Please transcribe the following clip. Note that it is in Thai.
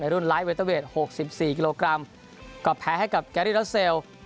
ในรุ่น๖๔กิโลกรัมก็แพ้ให้กับแกรรี่รัสเซล